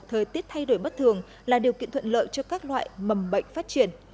thời tiết thay đổi bất thường là điều kiện thuận lợi cho các loại mầm bệnh phát triển